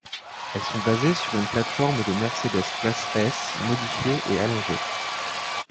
Elles sont basées sur une plate-forme de Mercedes Classe S modifiée et allongée.